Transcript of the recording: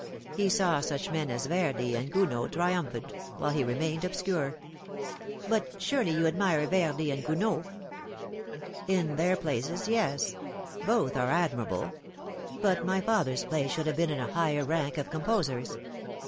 He saw such men as Verdi and Gounod triumphant, while ho remained obscure." " But surely you admire Verdi and Gounod ?"" In their places, yes ; both are admirable ; but my father's place should have been in a higher rank of composers.